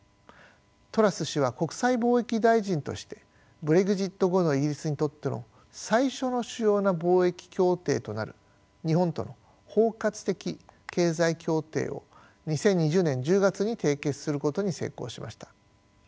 トラス氏は国際貿易大臣としてブレグジット後のイギリスにとっての最初の主要な貿易協定となる日本との包括的経済協定を２０２０年１０月に締結することに成功しました。